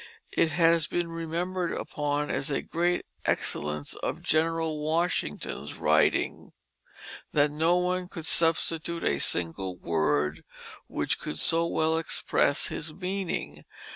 It has been remembered upon as a great excellence of Gen'l Washington's writings that no one could substitute a single word which could so well express his meaning.